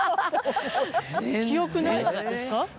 記憶にないですか？